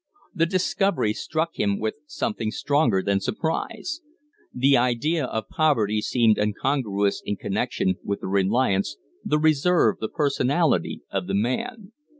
The discovery struck him with something stronger than surprise. The idea of poverty seemed incongruous is connection with the reliance, the reserve, the personality of the man.